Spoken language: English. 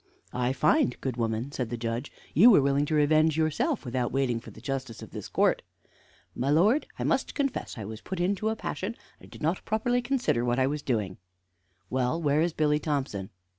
"I find, good woman," said the Judge, "you were willing to revenge yourself without waiting for the justice of this court." "My lord, I must confess I was put into a passion, and did not properly consider what I was doing." "Well, where is Billy Thompson?"